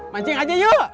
mancing aja yuk